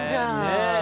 ねえ。